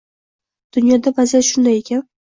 Dunyoda vaziyat shunday ekan